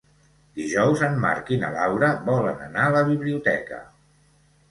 Dijous en Marc i na Laura volen anar a la biblioteca.